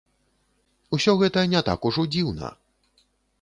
Усё гэта не так ужо дзіўна.